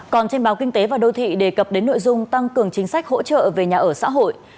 còn trên báo kinh tế và đô thị đề cập đến nội dung tăng cường chính sách hỗ trợ về nhà ở xã hội